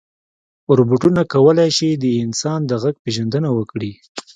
روبوټونه کولی شي د انسان د غږ پېژندنه وکړي.